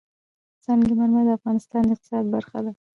سنگ مرمر د افغانستان د اقتصاد برخه ده.